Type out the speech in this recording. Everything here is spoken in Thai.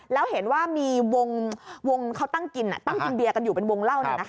แล้วเห็นว่ามีวงเขาตั้งกินตั้งกินเบียร์กันอยู่เป็นวงเล่า